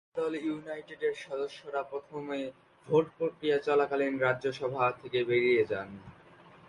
জনতা দল ইউনাইটেডের সদস্যরা প্রথমে ভোট প্রক্রিয়া চলাকালীন রাজ্যসভা থেকে বেরিয়ে যান।